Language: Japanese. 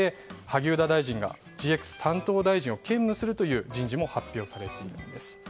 萩生田大臣がＧＸ担当大臣を兼務するという人事も発表されています。